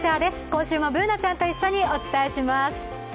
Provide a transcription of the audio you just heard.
今週もＢｏｏｎａちゃんと一緒にお伝えします。